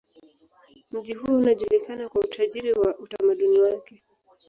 Mji huo unajulikana kwa utajiri wa utamaduni wake.